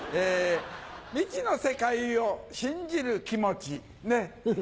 未知の世界を信じる気持ちね。